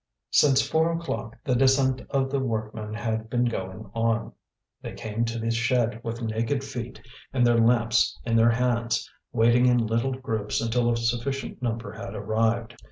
Since four o'clock the descent of the workmen had been going on. They came to the shed with naked feet and their lamps in their hands, waiting in little groups until a sufficient number had arrived.